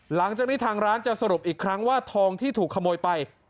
หลังจากนี้ทางร้านจะสรุปอีกครั้งว่าทองที่ถูกขโมยไป